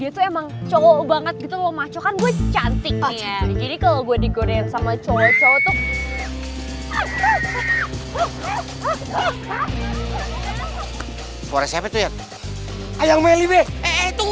tunggu gelap ya gelap